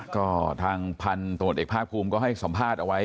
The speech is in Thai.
ก็ทางพันธุ์ตำรวจเอกภาคภูมิก็ให้สัมภาษณ์เอาไว้